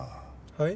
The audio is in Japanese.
はい？